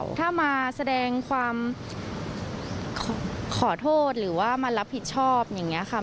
ถ้ามาแสดงความขอโทษหรือว่ามารับผิดชอบอย่างนี้ค่ะ